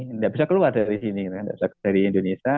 tidak bisa keluar dari sini tidak bisa keluar dari indonesia